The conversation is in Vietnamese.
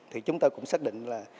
thì chúng ta cũng xác định là